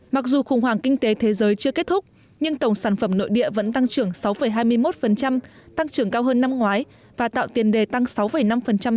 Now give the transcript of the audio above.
mặc dù khủng hoảng kinh tế thế giới chưa kết thúc nhưng tổng sản phẩm nội địa vẫn tăng trưởng sáu hai mươi một tăng trưởng cao hơn năm ngoái và tạo tiền đề tăng sáu năm